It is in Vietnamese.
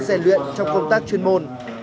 dè luyện trong công tác chuyên môn